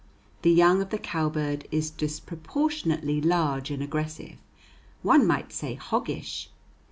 The young of the cowbird is disproportionately large and aggressive, one might say hoggish.